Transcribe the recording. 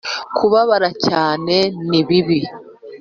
kubabara cyane ni bibi